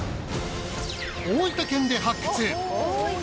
大分県で発掘。